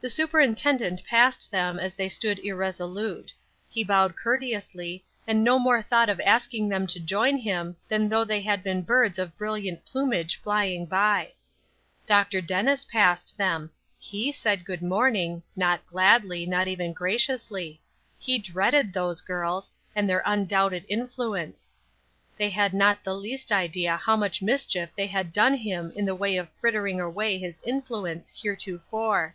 The superintendent passed them as they stood irresolute; he bowed courteously, and no more thought of asking them to join him than though they had been birds of brilliant plumage flying by. Dr. Dennis passed them; he said good morning, not gladly, not even graciously; he dreaded those girls, and their undoubted influence. They had not the least idea how much mischief they had done him in the way of frittering away his influence heretofore.